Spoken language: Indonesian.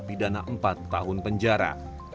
pidana empat tahun penjara